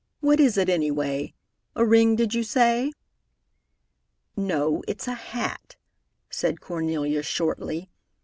What is it, any way? A ring, did you say?" "No, it's a hat," said Cornelia shortly.